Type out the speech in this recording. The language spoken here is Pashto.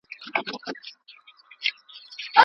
له سدیو انتظاره مېړنی پکښي پیدا کړي